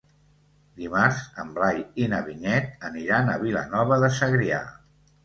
Dimarts en Blai i na Vinyet aniran a Vilanova de Segrià.